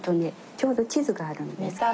ちょうど地図があるんです。